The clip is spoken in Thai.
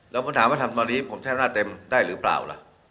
แล้วผมถามว่าทำตอนนี้ผมใช้อำนาจเต็มได้หรือเปล่าล่ะ